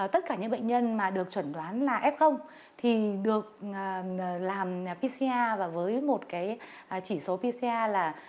tất cả những bệnh nhân mà được chuẩn đoán là f thì được làm pcr và với một cái chỉ số pcr là